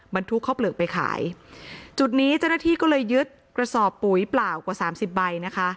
บรรทุกข้าวเปลือกไปขายจุดนี้เจ้าหน้าที่ก็เลยยึดกระสอบปุ๋ยเปล่ากว่าสามสิบใบนะคะ